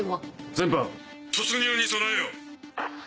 全班突入に備えよ！